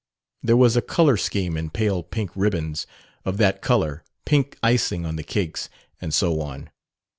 There was a color scheme in pale pink ribbons of that color, pink icing on the cakes, and so on.